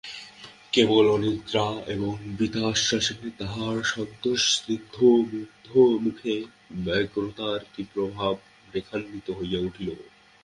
কেবল অনিদ্রা এবং বৃথা আশ্বাসে তাঁহার সন্তোষস্নিগ্ধ মুখে ব্যগ্রতার তীব্রভাব রেখান্বিত হইয়া উঠিল।